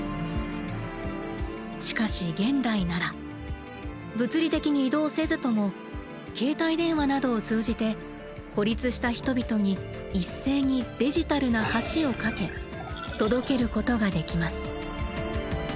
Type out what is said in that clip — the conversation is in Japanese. しかし現代なら物理的に移動せずとも携帯電話などを通じて孤立した人々に一斉にデジタルな橋をかけ届けることができます。